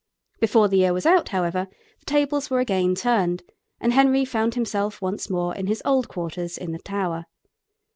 Before the year was out, however, the tables were again turned, and Henry found himself once more in his old quarters in the Tower.